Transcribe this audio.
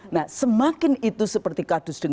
nah semakin itu seperti kardus